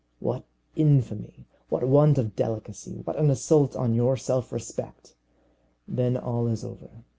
What infamy! what want of delicacy! what an assault on your self respect! Then all is over.